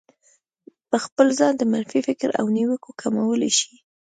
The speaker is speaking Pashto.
په خپل ځان د منفي فکر او نيوکو کمولای شئ.